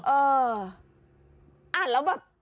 เอออ่านแล้วแบบ